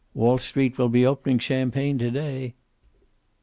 "Wall Street will be opening champagne to day."